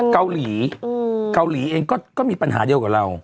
เกาหลีเกาหลีเองก็มีปัญหาเดียวกับเรา